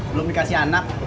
belum dikasih anak